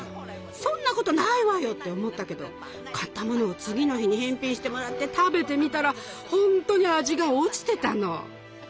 「そんなことないわよ」って思ったけど買ったものを次の日に返品してもらって食べてみたらほんとに味が落ちてたの。